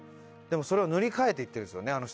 でもそれを塗り替えて行ってるんですよね